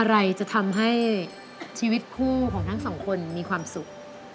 อะไรจะทำให้ชีวิตคู่ของทั้งสองคนมีความสุข